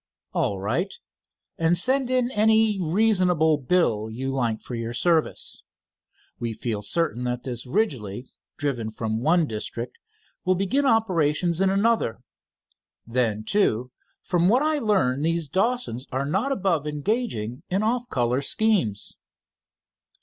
"All right, and send in any reasonable bill you like for your service. We feel certain that this, Ridgely, driven from one district, will begin operations in another. Then, too, from what I learn these Dawsons are not above engaging in of off color schemes."